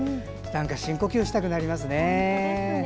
深呼吸したくなりますね。